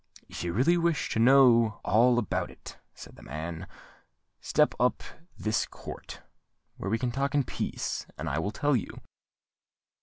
"If you really wish to know all about it," said the man, "step up this court, where we can talk in peace, and I will tell you.